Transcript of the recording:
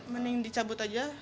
mening dicabut aja